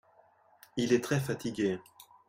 Il est très fatigué.